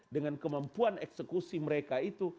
dengan kemampuan eksekusi mereka itu